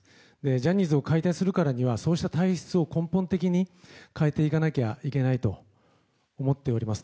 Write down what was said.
ジャニーズを解体するからにはそうした体質を根本的に変えていかなきゃいけないと思っております。